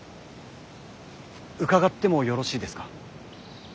伺ってもよろしいですか。